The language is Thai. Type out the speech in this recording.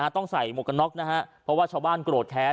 ต้องใส่หมวกกันน็อกนะฮะเพราะว่าชาวบ้านโกรธแค้น